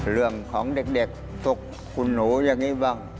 เรื่องของเด็กซุกคุณหนูอย่างนี้บ้าง